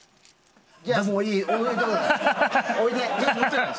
いや、もういい！